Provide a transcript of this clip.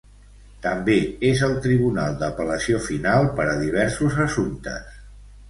També és el tribunal d'apel·lació final per a diversos assumptes.